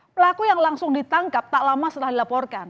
pelaku yang langsung ditangkap tak lama setelah dilaporkan